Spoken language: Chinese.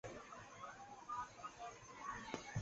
单应性是几何中的一个概念。